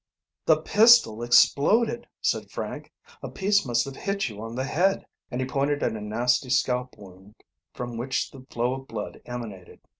"The pistol exploded," said Frank. "A piece must have hit you on the head," and he pointed at a nasty scalp wound from which the flow of blood emanated.